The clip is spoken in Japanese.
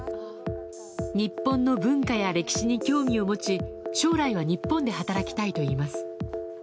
日本の文化や歴史に興味を持ち将来は日本で働きたいといいます。